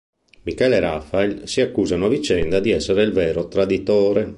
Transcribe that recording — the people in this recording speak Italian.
Michele e Rafael si accusano a vicenda di essere il vero traditore.